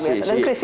iya luar biasa